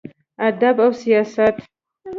ادب او سياست: